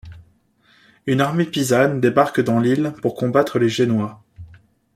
Une armée pisane débarque dans l'île pour combattre les Génois.